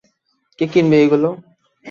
কে কিনবে এইগুলা?